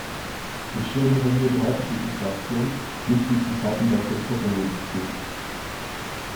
Ich schildere hier die heutige Situation, nicht die zu Zeiten der Kulturrevolution.